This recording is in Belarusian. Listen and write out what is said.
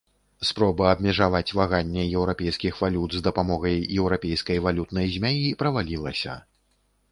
Спроба абмежаваць ваганне еўрапейскіх валют з дапамогай еўрапейскай валютнай змяі правалілася.